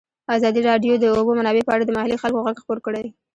ازادي راډیو د د اوبو منابع په اړه د محلي خلکو غږ خپور کړی.